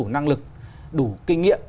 đủ năng lực đủ kinh nghiệm